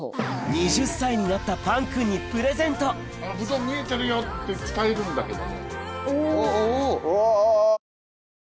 ２０歳になったパンくんにプレゼントブドウ見えてるよって伝えるんだけど。